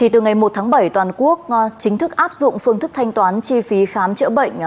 từ ngày một tháng bảy toàn quốc chính thức áp dụng phương thức thanh toán chi phí khám chữa bệnh